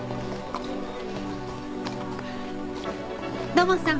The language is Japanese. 土門さん。